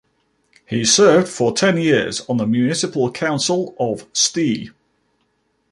He served for ten years on the municipal council of Ste.